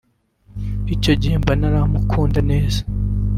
icyo gihe mba ntaramukunda neza